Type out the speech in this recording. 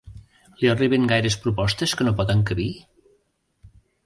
Li arriben gaires propostes que no pot encabir?